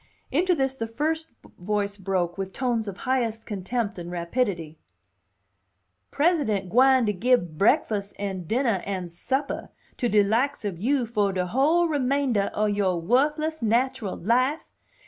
Into this the first voice broke with tones of highest contempt and rapidity: "President gwine to gib brekfus' an' dinnah an suppah to de likes ob you fo' de whole remaindah oh youh wuthless nat'ral life?